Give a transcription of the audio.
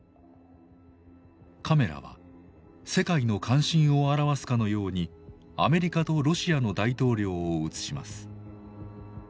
カメラは世界の関心を表すかのようにアメリカとロシアの大統領を映します。